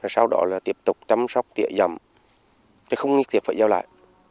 sau đó là tiếp tục chăm sóc tiệm dầm không nghi kịp phải giao lại